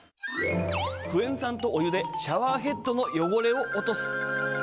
クエン酸とお湯でシャワーヘッドの汚れを落とす。